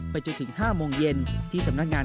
ไปจนถึง๕โมงเย็นที่สำหรับพ่อค้า